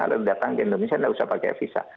anda datang ke indonesia anda tidak usah pakai visa